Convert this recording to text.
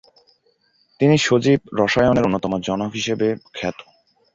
তিনি সজীব রসায়নের অন্যতম জনক হিসেবে খ্যাত।